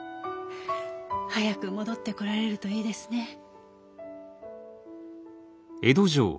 早く戻って来られるといいですね。